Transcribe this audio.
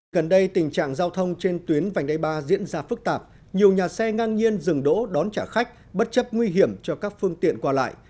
gần đây tình trạng giao thông trên tuyến vành đai ba diễn ra phức tạp nhiều nhà xe ngang nhiên dừng đỗ đón trả khách bất chấp nguy hiểm cho các phương tiện qua lại